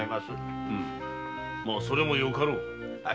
まあそれもよかろう。